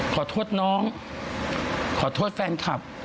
ขอโทษน้องขอโทษแฟนคลับ